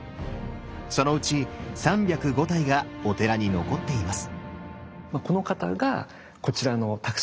そのうち３０５体がお寺に残っています。